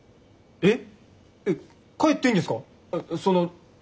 えっ？